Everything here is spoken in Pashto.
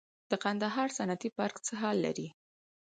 د کندهار صنعتي پارک څه حال لري؟